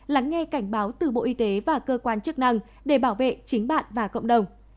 lắng nghe cảnh báo từ bộ y tế và cơ quan chức năng để bảo vệ chính bạn và cộng đồng